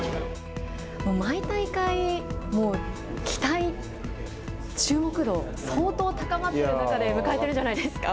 もう毎大会、期待、注目度、相当高まっている中で迎えてるじゃないですか。